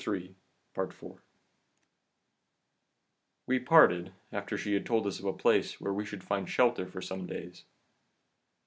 "We parted, after she had told us of a place where we should find shelter for some days.